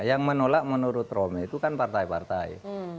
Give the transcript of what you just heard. yang menolak menurut romy itu kan partai partai